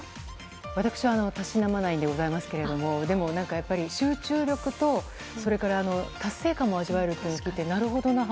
私は、たしなまないんでございますけれどもでも、やっぱり集中力と達成感も味わえると聞いてなるほどなと。